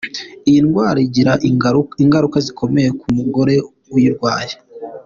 Iyi ndwara ingira ingaruka zikomeye ku mugore uyirwaye.